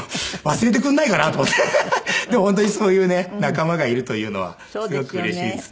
でも本当にそういうね仲間がいるというのはすごくうれしいですね。